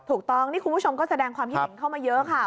ถูกต้องนี่คุณผู้ชมก็แสดงความคิดเห็นเข้ามาเยอะค่ะ